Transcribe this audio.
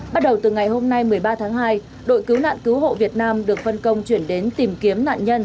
bắt đầu từ ngày hôm nay một mươi ba tháng hai đội cứu nạn cứu hộ việt nam được phân công chuyển đến tìm kiếm nạn nhân